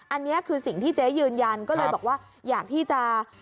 อันนี้คือสิ่งที่เจ๊ยืนยันก็เลยบอกว่าอยากที่จะ